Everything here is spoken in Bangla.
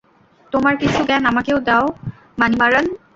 তোমার কিছু জ্ঞান আমাকেও দাও, মানিমারান।